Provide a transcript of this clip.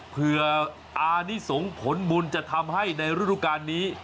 เพื่ออานิสงฆ์ผลบุญจะทำให้ในฤดูการนี้